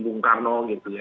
bung karno gitu ya